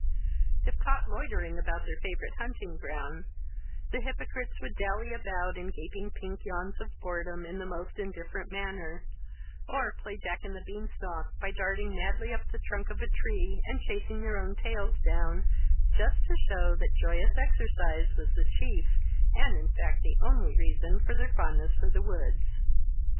If caught loitering about their favorite hunting ground, the hypocrites would dally about in gaping pink yawns of boredom, in the most indifferent manner, or play Jack and the Bean stalk by darting madly up the trunk of a tree and chasing their own tails down, just to show that joyous exercise was the chief, and in fact the only reason for their fondness for the woods.